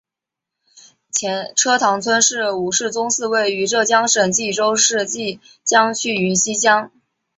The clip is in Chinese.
车塘村吴氏宗祠位于浙江省衢州市衢江区云溪乡。